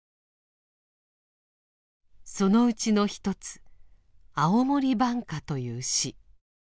そのうちの一つ「青森挽歌」という詩。